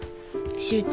集中。